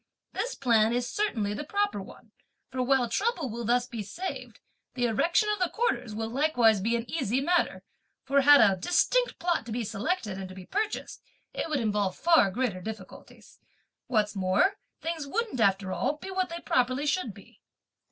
This plan is certainly the proper one, for while trouble will thus be saved, the erection of the quarters will likewise be an easy matter; for had a distinct plot to be selected and to be purchased, it would involve far greater difficulties. What's more, things wouldn't, after all, be what they properly should be.